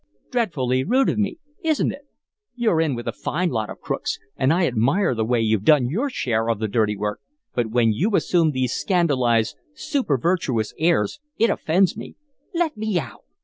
Dreadfully rude of me, isn't it? You're in with a fine lot of crooks, and I admire the way you've done your share of the dirty work, but when you assume these scandalized, supervirtuous airs it offends me." "Let me out!"